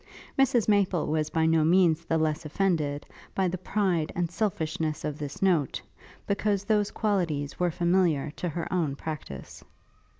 Mrs Maple was by no means the less offended, by the pride and selfishness of this note, because those qualities were familiar to her own practice.